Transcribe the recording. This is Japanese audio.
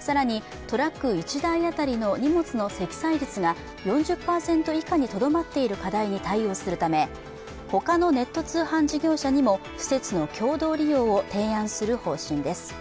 更に、トラック１台当たりの荷物の積載率が４０％以下にとどまっている課題に対応するため、他のネット通販事業者にも施設の共同利用を提案する方針です。